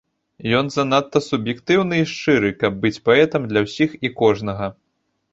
Ён занадта суб'ектыўны і шчыры, каб быць паэтам для ўсіх і кожнага.